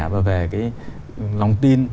và về cái lòng tin